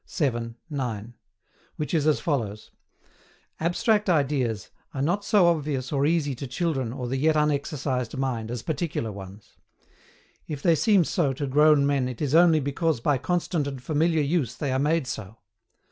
vii. 9) which is as follows: "ABSTRACT IDEAS are not so obvious or easy to children or the yet unexercised mind as particular ones. If they seem so to grown men it is only because by constant and familiar use they are made so.